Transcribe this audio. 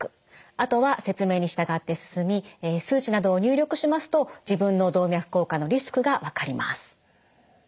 あとは説明に従って進み数値などを入力しますと自分の動脈硬化のリスクが分かります。